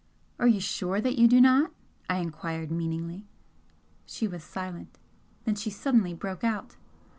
"Are you sure you do not?" I enquired, meaningly. She was silent. Then she suddenly broke out.